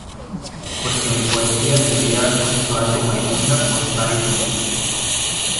Porque mi poesía se había puesto algo moribunda, por varios motivos.